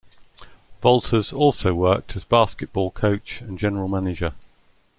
Valters also worked as basketball coach and general manager.